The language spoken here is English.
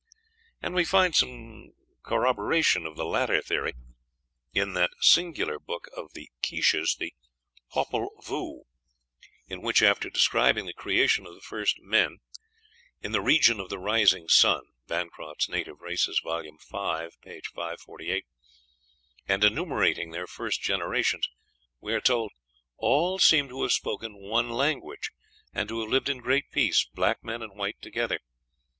And we find some corroboration of the latter theory in that singular book of the Quiches, the "Popol Vuh," in which, after describing the creation of the first men "in the region of the rising sun" (Bancroft's "Native Races," vol. v., p. 548), and enumerating their first generations, we are told, "All seem to have spoken one language, and to have lived in great peace, black men and white together.